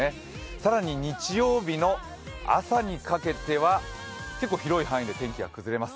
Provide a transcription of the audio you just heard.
更に日曜日の朝にかけては結構広い範囲で天気が崩れます。